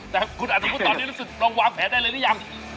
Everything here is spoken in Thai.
แต่คุณอัธวุฒิตอนนี้รู้สึกลองวางแผนได้เลยหรือยัง